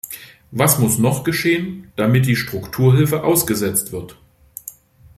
Was muss noch geschehen, damit die Strukturhilfe ausgesetzt wird?